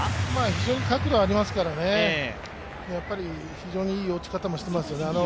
非常に角度がありますからね、非常にいい落ち方もしていますね。